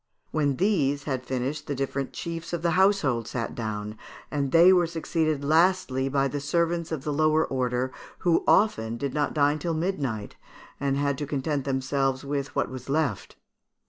When these had finished the different chiefs of the household sat down, and they were succeeded lastly by servants of the lower order, who often did not dine till midnight, and had to content themselves with what was left.